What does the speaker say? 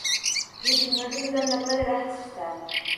دوی د لمریز نظام له پیل راهیسې شته.